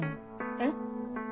えっ！